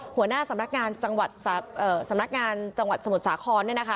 หัวหน้าสำนักงานจังหวัดสมุทรสาคร